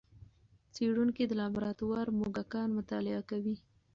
څېړونکي د لابراتوار موږکان مطالعه کوي.